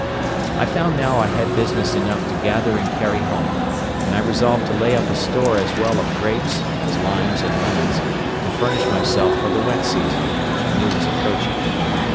I found now I had business enough to gather and carry home; and I resolved to lay up a store as well of grapes as limes and lemons, to furnish myself for the wet season, which I knew was approaching.